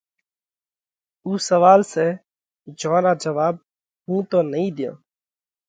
اُو سوئال سئہ جيون را جواٻ ھُون تو نئين ۮيون۔